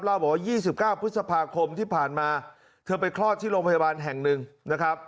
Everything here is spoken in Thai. เล่าบอกว่า๒๙พฤษภาคมที่ผ่านมาเธอไปคลอดที่โรงพยาบาลแห่งหนึ่งนะครับ